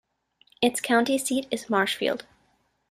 Its county seat is Marshfield.